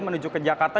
menuju ke jakarta